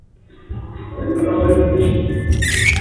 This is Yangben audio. Eeki wú ɔŋɔndɔ́, ta miɔ́t, kilɛp kí piitéénée, tá miɔ́t.